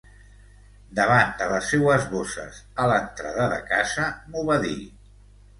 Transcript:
Davant de les seues bosses, a l'entrada de casa, m'ho va dir.